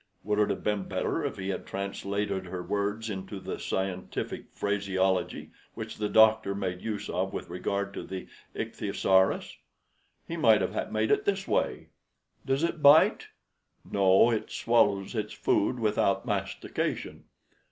Would it have been better if he had translated her words into the scientific phraseology which the doctor made use of with regard to the ichthyosaurus? He might have made it this way: 'Does it bite?' 'No; it swallows its food without mastication.'